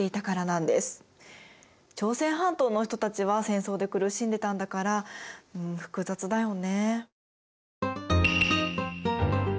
朝鮮半島の人たちは戦争で苦しんでたんだからうん複雑だよね。